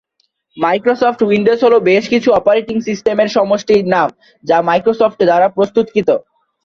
Microsoft Windows হল বেশ কিছু অপারেটিং সিস্টেমের সমষ্টির নাম যা মাইক্রোসফট দ্বারা প্রস্তুতকৃত।